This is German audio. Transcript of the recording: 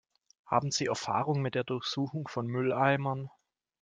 Haben Sie Erfahrung mit der Durchsuchung von Mülleimern?